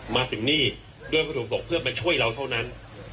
มาถึงนี่ด้วยวัตถุประสงค์เพื่อมาช่วยเราเท่านั้น